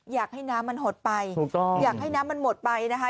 อยากให้น้ำมันหดไปถูกต้องอยากให้น้ำมันหมดไปนะคะ